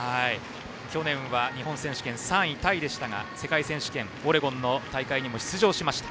去年は日本選手権３位タイでしたが世界選手権オレゴンの大会にも出場しました。